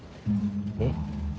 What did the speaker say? えっ？